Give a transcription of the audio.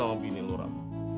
sama bini lu ram